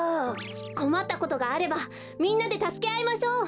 こまったことがあればみんなでたすけあいましょう。